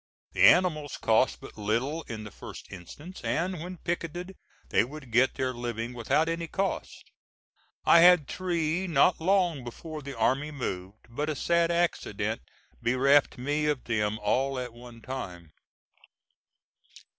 The animals cost but little in the first instance, and when picketed they would get their living without any cost. I had three not long before the army moved, but a sad accident bereft me of them all at one time.